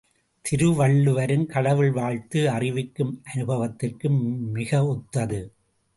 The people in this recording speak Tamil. திருவள்ளுவரின் கடவுள் வாழ்த்து, அறிவுக்கும் அனுபவத்திற்கும் மிக ஒத்தது.